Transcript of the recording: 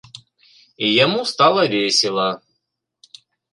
І яму стала весела.